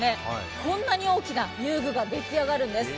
こんなに大きな遊具が出来上がるんです。